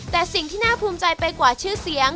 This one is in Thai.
แต่สิ่งที่น่าภูมิใจไปกว่าชื่อเสียง